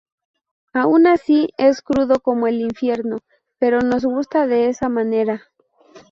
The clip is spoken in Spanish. Aun así es crudo como el infierno, pero nos gusta de esa manera.